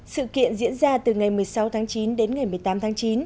sự kiện diễn ra từ ngày một mươi sáu tháng chín đến ngày một mươi tám tháng chín